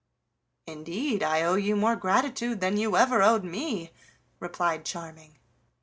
"Indeed, I owe you more gratitude than you ever owed me," replied Charming.